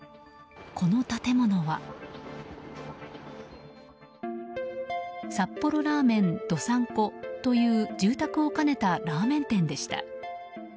この建物は札幌ラーメンどさん子という住宅を兼ねたラーメン店でした。